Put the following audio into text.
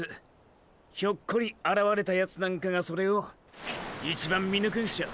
ひょっこり現れたヤツなんかがそれを一番見抜くんショ！！